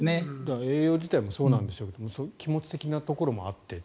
栄養自体もそうなんでしょうけど気持ち的なところもあってと。